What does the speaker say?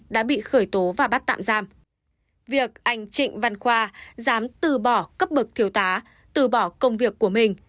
đã dùng dấu hiệu vi phạm việc anh trịnh văn khoa dám từ bỏ cấp bực thiêu tá từ bỏ công việc của mình